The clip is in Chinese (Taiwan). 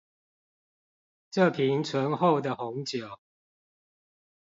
這瓶醇厚的紅酒